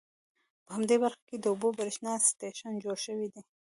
په همدې برخه کې د اوبو د بریښنا سټیشن جوړ شوي دي.